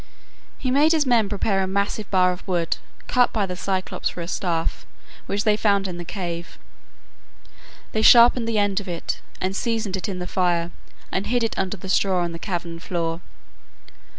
He made his men prepare a massive bar of wood cut by the Cyclops for a staff, which they found in the cave. They sharpened the end of it, and seasoned it in the fire, and hid it under the straw on the cavern floor.